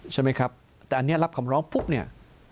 ใช่ไหมครับแต่อันนี้รับคำร้องปุ๊บเนี่ย